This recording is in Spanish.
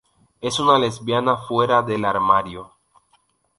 Es una lesbiana fuera del armario.